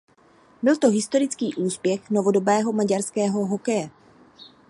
Byl to historický úspěch novodobého maďarského hokeje.